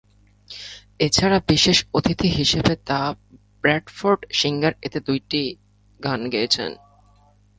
এছাড়াও বিশেষ অতিথি হিসেবে দ্য ব্র্যাডফোর্ড সিঙ্গার এতে দুইটি গান গেয়েছেন।